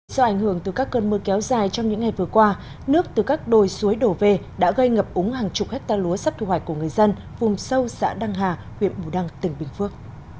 do ảnh hưởng từ các cơn mưa kéo dài trong những ngày vừa qua nước từ các đồi suối đổ về đã gây ngập úng hàng chục hectare lúa sắp thu hoạch của người dân vùng sâu xã đăng hà huyện bù đăng tỉnh bình phước